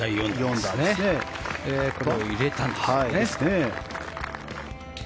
今のを入れたんですね。